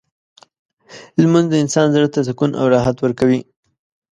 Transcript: لمونځ د انسان زړه ته سکون او راحت ورکوي.